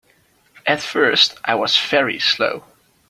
At first I was very slow.